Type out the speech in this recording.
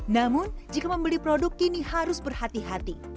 namun jika membeli produk kini harus berhati hati